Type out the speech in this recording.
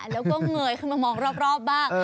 แล้วก็เงยขึ้นมามองรอบบ้าง